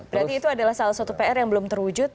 berarti itu adalah salah satu pr yang belum terwujud